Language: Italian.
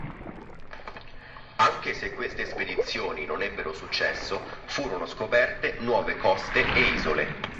Anche se queste spedizioni non ebbero successo, furono scoperte nuove coste e isole.